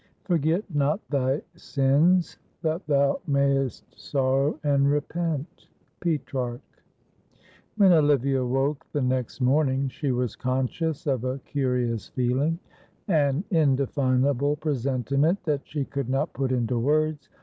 "Forget not thy sins that thou mayest sorrow and repent." Petrarch. When Olivia woke the next morning she was conscious of a curious feeling; an indefinable presentiment that she could not put into words.